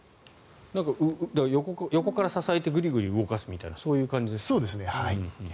横から支えてグリグリ動かすみたいなそうですね。